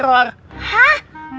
dia informannya sama dengan uya